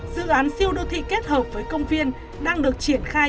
dự án siêu đô thị kết hợp với công viên đang được triển khai